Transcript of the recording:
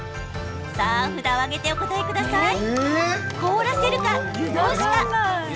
さあ、札を上げてお答えください。